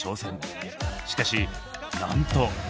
しかしなんと！